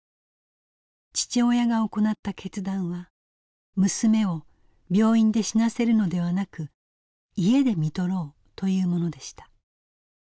父親が行った決断は娘を病院で死なせるのではなく家で看取ろうというものでした。